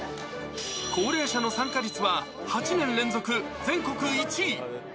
高齢者の参加率は８年連続全国１位。